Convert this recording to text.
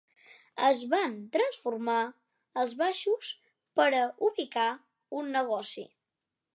Es van transformar els baixos per a ubicar un negoci.